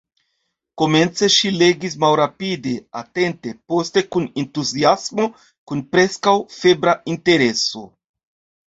Komence ŝi legis malrapide, atente, poste kun entuziasmo, kun preskaŭ febra intereso.